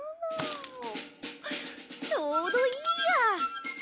ちょうどいいや！